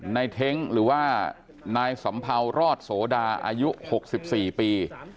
ในเท๊งหรือว่านายสำเพรารอดโสดาอายุหกสิบสี่ปี